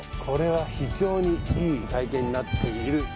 これは非常にいい体験になっている。